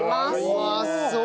うまそう！